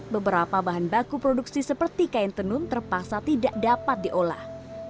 beberapa bahan baku produksi seperti kain tenun terpaksa tidak dapat diolah